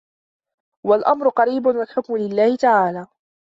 وَالْأَمْرُ قَرِيبٌ وَالْحُكْمُ لِلَّهِ تَعَالَى